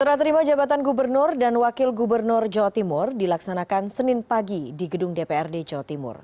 serah terima jabatan gubernur dan wakil gubernur jawa timur dilaksanakan senin pagi di gedung dprd jawa timur